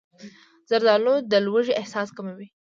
زردالو د لوږې احساس کموي.